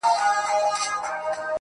د کلې خلگ به دي څه ډول احسان ادا کړې.